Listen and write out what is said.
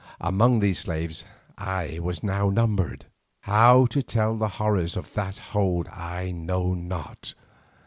Among these slaves I was now numbered. How to tell the horrors of that hold I know not.